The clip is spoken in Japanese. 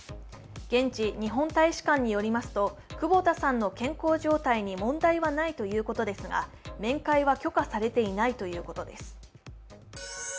現地日本大使館によりますと、久保田さんの健康状態に問題はないということですが面会は許可されていないということです。